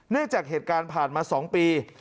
เนื่องจากเหตุการณ์ผ่านมา๒ปี